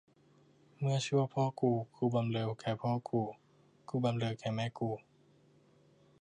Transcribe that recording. เมื่อชั่วพ่อกู กูบำเรอแก่พ่อกู กูบำเรอแก่แม่กู